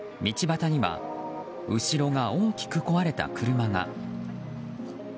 道端には後ろが大きく壊れた車が。